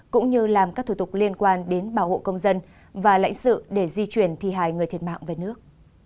cũng như làm các thủ tục liên quan đến bảo hộ công dân và lãnh sự để di chuyển thi hài người thiệt mạng về nước